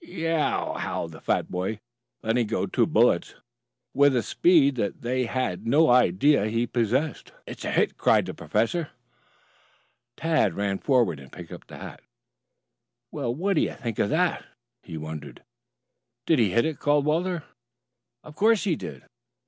"Yeow!" howled the fat boy letting go two bullets with a speed that they had no idea he possessed. "It's a hit!" cried the professor. Tad ran forward and picked up the hat. "Well, what do you think of that?" he wondered. "Did he hit it?" called Walter. "Of course he did."